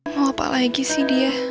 mau apa lagi sih dia